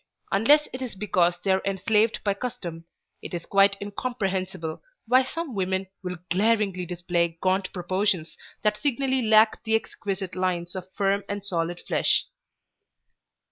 Unless it is because they are enslaved by custom, it is quite incomprehensible why some women will glaringly display gaunt proportions that signally lack the exquisite lines of firm and solid flesh.